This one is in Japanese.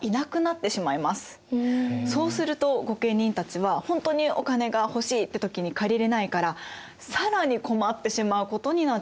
そうすると御家人たちはほんとにお金が欲しいって時に借りれないから更に困ってしまうことになっちゃったんです。